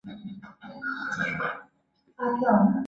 未上映未上映